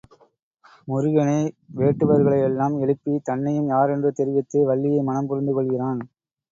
முருகனே வேட்டுவர்களையெல்லாம் எழுப்பி, தன்னையும் யாரென்று தெரிவித்து வள்ளியை மணம் புரிந்து கொள்கிறான்.